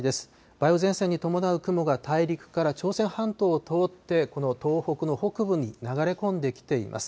梅雨前線に伴う雲が大陸から朝鮮半島を通って、この東北の北部に流れ込んできています。